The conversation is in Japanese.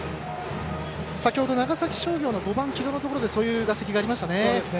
先ほど長崎商業５番、城戸のところでそういった打席がありましたね。